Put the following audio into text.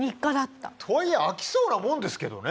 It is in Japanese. とはいえ飽きそうなもんですけどね。